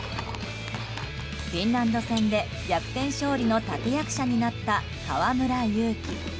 フィンランド戦で逆転勝利の立役者になった河村勇輝。